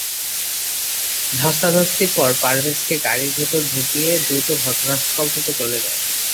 ধস্তাধস্তির পর পারভেজকে গাড়ির ভেতর ঢুকিয়ে দ্রুত ঘটনাস্থল থেকে চলে যায়।